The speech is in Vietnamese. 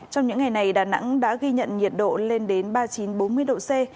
trong những ngày này đà nẵng đã ghi nhận nhiệt độ lên đến ba mươi chín bốn mươi độ c